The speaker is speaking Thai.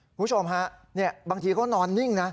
คุณผู้ชมฮะบางทีเขานอนนิ่งนะ